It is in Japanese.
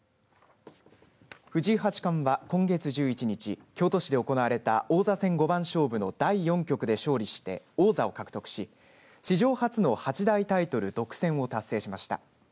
藤井八冠は今月１１日京都市で行われた王座戦五番勝負の第４局で勝利して王座を獲得し史上初の八大タイトル独占を達成しました。